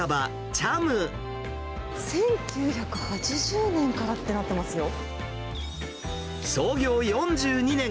１９８０年からってなってま創業４２年。